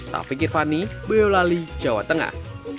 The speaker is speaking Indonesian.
taufik irvani boyolali jawa tengah